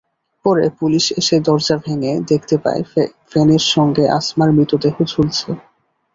পরে পুলিশ এসে দরজা ভেঙে দেখতে পায় ফ্যানের সঙ্গে আসমার মৃতদেহ ঝুলছে।